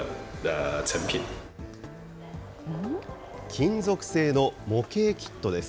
金属製の模型キットです。